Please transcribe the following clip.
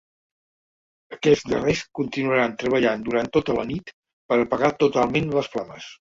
Aquests darrers continuaran treballant durant tota la nit per apagar totalment les flames.